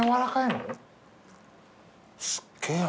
すっげぇ